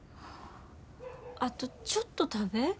あとちょっと食べ。